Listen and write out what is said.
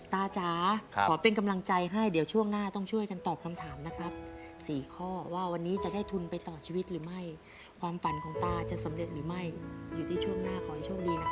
จ๋าขอเป็นกำลังใจให้เดี๋ยวช่วงหน้าต้องช่วยกันตอบคำถามนะครับ๔ข้อว่าวันนี้จะได้ทุนไปต่อชีวิตหรือไม่ความฝันของตาจะสำเร็จหรือไม่อยู่ที่ช่วงหน้าขอให้โชคดีนะครับ